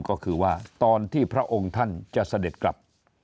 ก็คือว่าตอนที่พระองค์ท่านจะเสด็จกลับ